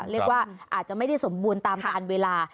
เรียกว่าอาจจะไม่ได้สมบูรณ์ตามการเวลา